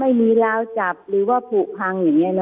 มีงบที่จะซ่อมแจมที่อยู่อาศัยให้ภูติสูงอายุนะคะ